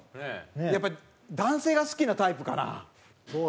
やっぱり男性が好きなタイプかな？